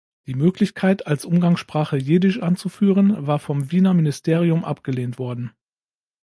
Die Möglichkeit, als Umgangssprache Jiddisch anzuführen, war vom Wiener Ministerium abgelehnt worden.